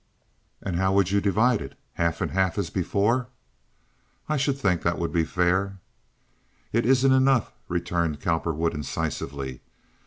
"And how would you divide it? Half and half, as before?" "I should think that would be fair." "It isn't enough," returned Cowperwood, incisively.